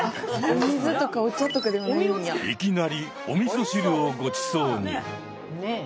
いきなりおみそ汁をごちそうに。